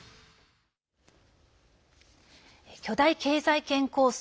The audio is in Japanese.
巨大経済圏構想